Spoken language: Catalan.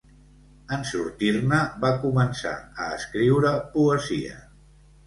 En sortir-ne, va començar a escriure poesia.